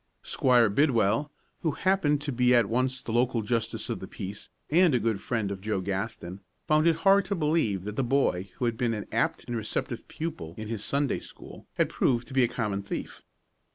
Squire Bidwell, who happened to be at once the local justice of the peace and a good friend of Joe Gaston, found it hard to believe that the boy who had been an apt and receptive pupil in his Sunday school had proved to be a common thief.